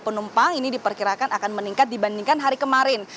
penumpang ini diperkirakan akan meningkat dibandingkan hari kemarin